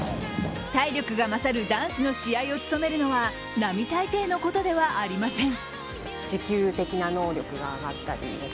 体力が勝る男子の試合を務めるのは、並大抵のことではありません。